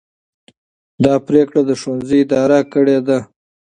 دا پرېکړه د ښوونځي ادارې کړې ده.